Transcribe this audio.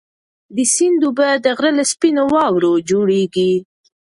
د سیند اوبه د غره له سپینو واورو جوړېږي.